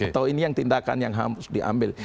atau ini yang tindakan yang harus diambil